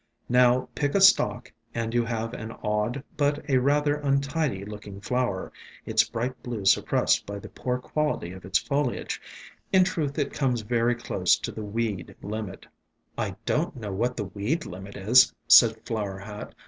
Now pick a stalk, and you have an odd, but a rather untidy looking flower, its bright blue suppressed by the poor quality of its foliage ; in truth it comes very close to the weed limit." 84 ESCAPED FROM GARDENS "I don't know what the weed limit is," said Flower Hat.